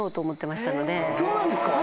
そうなんですか？